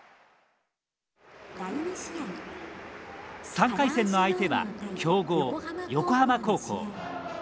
３回戦の相手は強豪横浜高校。